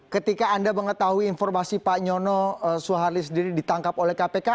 ketika anda mengetahui informasi pak nyono suharli sendiri ditangkap oleh kpk